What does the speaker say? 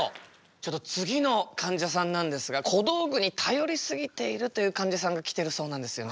ちょっと次のかんじゃさんなんですが小道具に頼り過ぎているというかんじゃさんが来てるそうなんですよね。